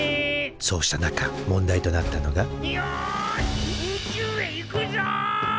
そうした中問題となったのがよし宇宙へ行くぞ！